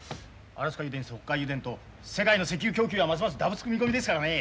アラスカ油田北海油田と世界の石油供給はますますだぶつく見込みですからね。